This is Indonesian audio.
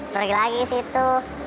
pergi lagi ke situ